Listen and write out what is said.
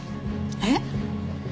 えっ？